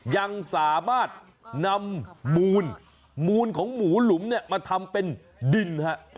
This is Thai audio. ยังสามารถนำหมูลหมูลของหมูหลุมมาทำเป็นดิน